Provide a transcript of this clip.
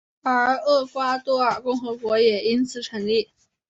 而厄瓜多尔共和国也因此成立。